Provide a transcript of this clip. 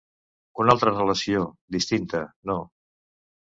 Una altra relació, distinta, no.